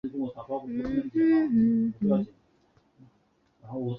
池端金毛猿金花虫为金花虫科金毛猿金花虫属下的一个种。